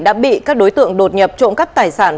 đã bị các đối tượng đột nhập trộm cắp tài sản